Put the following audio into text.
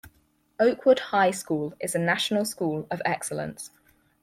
Oakwood High School is a national school of excellence.